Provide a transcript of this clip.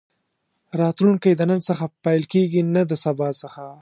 راتلونکی د نن څخه پيل کېږي نه د سبا څخه.